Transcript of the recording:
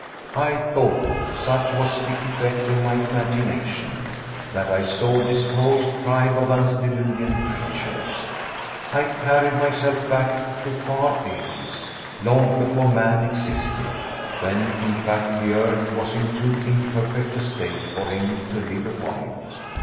I thought, such was the effect of my imagination, that I saw this whole tribe of antediluvian creatures. I carried myself back to far ages, long before man existed when, in fact, the earth was in too imperfect a state for him to live upon it.